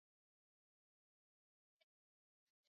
rangi chungwa ya kiazi lishe hutokana na beta karotini